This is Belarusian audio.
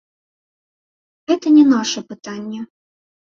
Гэта не наша пытанне.